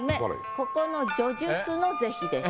ここの叙述の是非です。